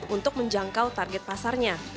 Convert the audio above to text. untuk menjangkau target pasarnya